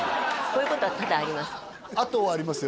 こういうことは多々あります